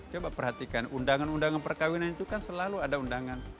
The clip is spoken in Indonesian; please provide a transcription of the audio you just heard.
coba perhatikan undangan undangan perkawinan itu kan selalu ada undangan